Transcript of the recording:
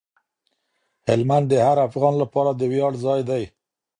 هلمند د هر افغان لپاره د ویاړ ځای دی.